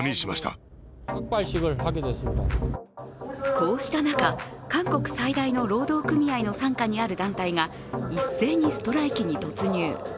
こうした中、韓国最大の労働組合の傘下にある団体が一斉にストライキに突入。